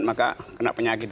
maka kena penyakit